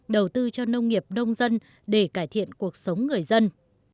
đầu tư cho nông nghiệp đông dân để cải thiện cuộc sống người dân